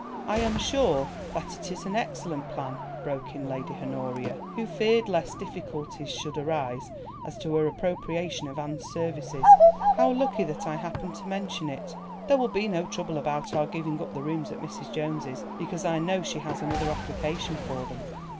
"I am sure that it is an excellent plan," broke in Lady Honoria, who feared lest difficulties should arise as to her appropriation of Anne's services; "how lucky that I happened to mention it. There will be no trouble about our giving up the rooms at Mrs. Jones's, because I know she has another application for them."